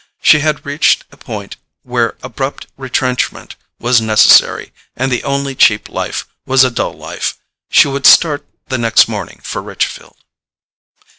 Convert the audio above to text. She had reached a point where abrupt retrenchment was necessary, and the only cheap life was a dull life. She would start the next morning for Richfield.